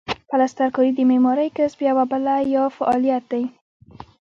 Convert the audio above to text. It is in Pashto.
پلسترکاري د معمارۍ کسب یوه بله یا فعالیت دی.